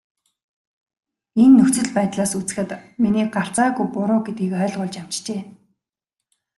Энэ нөхцөл байдлаас үзэхэд миний гарцаагүй буруу гэдгийг ойлгуулж амжжээ.